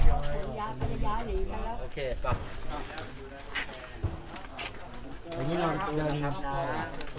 ครับอย่างน้อยมีคนอยู่ด้านหลังในขณะนี้นะครับ